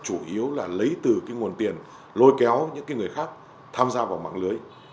chủ yếu là lấy từ cái nguồn tiền lôi kéo những người khác tham gia vào mạng lưới